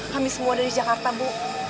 kami semua dari jakarta bu